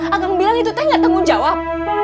agang bilang itu teh gak tanggung jawab